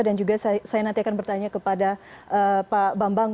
dan juga saya nanti akan bertanya kepada pak bambang